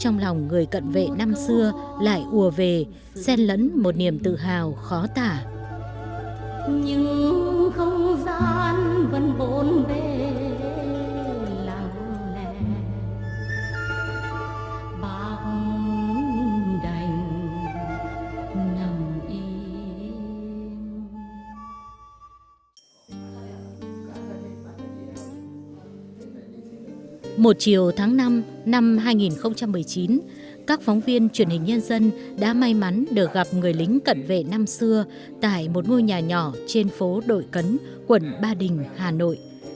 một chiều tháng năm năm hai nghìn một mươi chín các phóng viên truyền hình nhân dân đã may mắn được gặp người lính cận vệ năm xưa tại một ngôi nhà nhỏ trên phố đội cấn quận ba đình hà nội